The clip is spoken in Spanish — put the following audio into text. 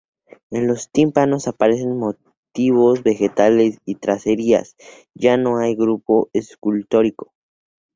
En los tímpanos aparecen motivos vegetales y tracerías, ya no hay un grupo escultórico.